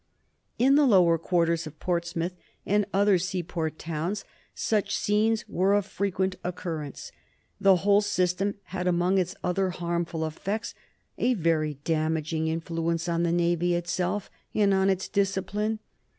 In the lower quarters of Portsmouth and other seaport towns such scenes were of frequent occurrence. The whole system had among its other harmful effects a very damaging influence on the Navy itself and on its discipline.